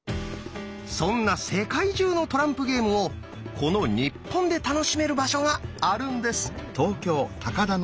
そんな世界中のトランプゲームをこの日本で楽しめる場所があるんです！